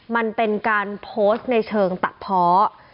มันเป็นการโพสต์ในเชิงตัดเพาะ